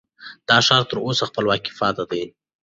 دا ښار تر اوسه خپلواک پاتې دی.